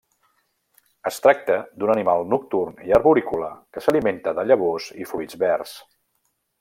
Es tracta d'un animal nocturn i arborícola que s'alimenta de llavors i fruits verds.